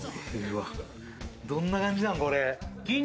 どんな感じなの？